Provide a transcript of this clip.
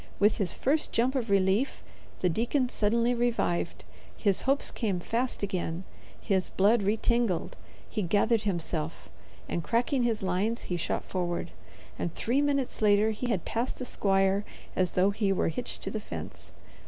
With his first jump of relief the deacon suddenly revived, his hopes came fast again, his blood retingled, he gathered himself, and, cracking his lines, he shot forward, and three minutes later he had passed the squire as though he were hitched to the fence.